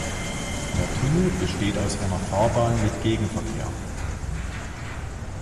Der Tunnel besteht aus einer Fahrbahn mit Gegenverkehr.